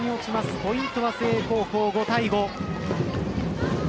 ポイントは誠英高校、５対５。